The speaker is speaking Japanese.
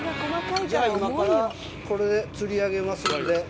これでつり上げますので。